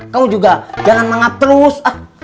kamu juga jangan manggap terus